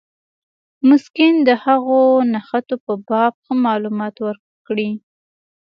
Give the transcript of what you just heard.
مسکین د هغو نښتو په باب ښه معلومات ورکړي.